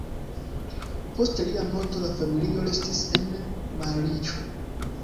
Post lia morto la familio restis en malriĉo.